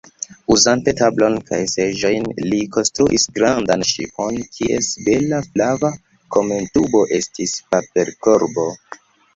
Uzante tablon kaj seĝojn, li konstruis grandan ŝipon, kies bela flava kamentubo estis paperkorbo.